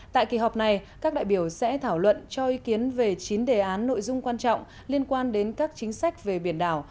tại kỳ họp này các đại biểu sẽ thảo luận cho ý kiến về chín đề án nội dung quan trọng liên quan đến các chính sách về biển đảo